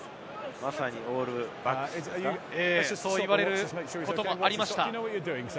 まさにオールバックスでそう呼ばれることもありました。